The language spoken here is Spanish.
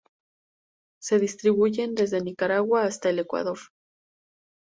Se distribuyen desde Nicaragua hasta Ecuador.